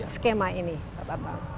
skema ini pak bambang